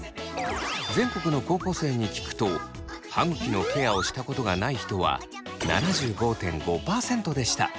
全国の高校生に聞くと歯ぐきのケアをしたことがない人は７５．５％でした。